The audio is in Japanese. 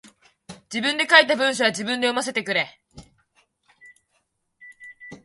自分で書いた文章は自分で読ませてくれ。